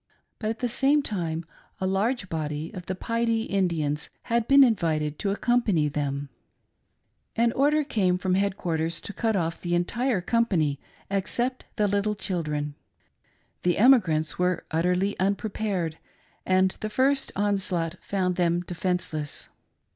But, at the same time, a large body of the Piede Indians had been invited to accompany them. THE ORDER FOR THE MASSACRE. 329 An order came from head quarters to cut off the entire company except the little children. The emigrants were utterly unprepared, and the first onslaught found them defenceless.